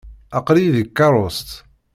Aql-iyi deg tkeṛṛust.